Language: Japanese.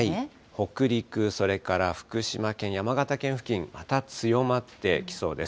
北陸、それから福島県、山形県付近、また強まってきそうです。